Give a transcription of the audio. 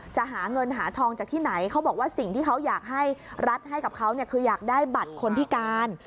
จะหาเงินหาทองจากที่ไหนเขาบอกว่าสิ่งที่เขาอยากให้รัฐให้กับเขาเนี่ยคืออยากได้บัตรคนพิการ